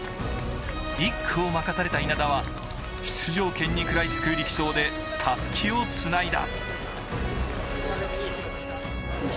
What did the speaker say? １区を任された稲田は出場権に食らいつく力走でたすきをつないだ。